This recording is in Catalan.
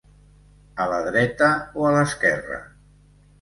A la dreta o a l'esquerra?